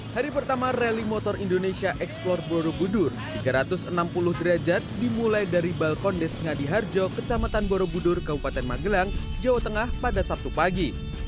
hari pertama rally motor indonesia explor borobudur tiga ratus enam puluh derajat dimulai dari balkondes ngadi harjo kecamatan borobudur kabupaten magelang jawa tengah pada sabtu pagi